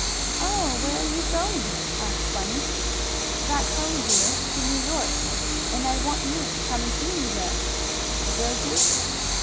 "Oh, where are you going?" asked Bunny. "Back home, dear. To New York. And I want you to come and see me there. Will you?"